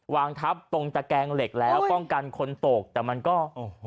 วางทับตรงตะแกงเหล็กแล้วป้องกันคนตกแต่มันก็โอ้โห